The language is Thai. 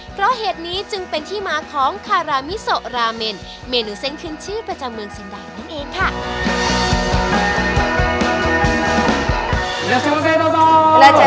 เพราะเหตุนี้จึงเป็นที่มาของคารามิโซราเมนเมนูเส้นขึ้นชื่อประจำเมืองซินดานั่นเองค่ะ